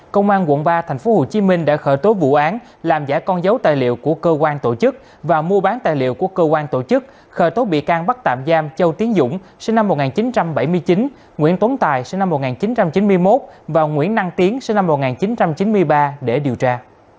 công an quận ba tp hcm đã khởi tố vụ án làm giả con dấu tài liệu của cơ quan tổ chức và mua bán tài liệu của cơ quan tổ chức khởi tố bị can bắt tạm giam châu tiến dũng sinh năm một nghìn chín trăm bảy mươi chín nguyễn tuấn tài sinh năm một nghìn chín trăm chín mươi một và nguyễn năng tiến sinh năm một nghìn chín trăm chín mươi ba để điều tra